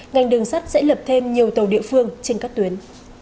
ngành đường sắt sẽ lập thêm nhiều tàu địa phương trên các tuyến